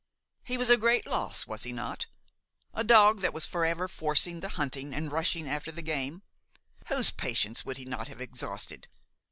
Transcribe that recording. He was a great loss, was he not? A dog that was forever forcing the hunting and rushing after the game! Whose patience would he not have exhausted?